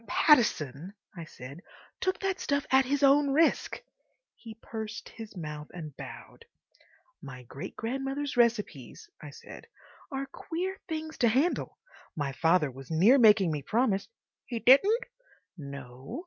"Pattison," I said, "took that stuff at his own risk." He pursed his mouth and bowed. "My great grandmother's recipes," I said, "are queer things to handle. My father was near making me promise—" "He didn't?" "No.